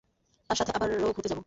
তার সাথে আবারো ঘুরতে যাবে?